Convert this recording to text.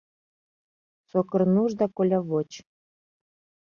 Сокырнуж да колявоч...